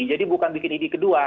jadi bukan bikin id kedua